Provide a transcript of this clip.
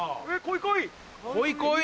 こいこい！